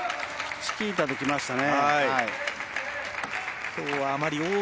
チキータで来ましたね。